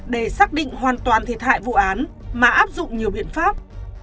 để xác định hoàn toàn thiệt hại vụ án mà áp dụng nhiều biện pháp